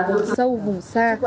vụ sâu vùng xa